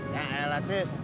ya elah tis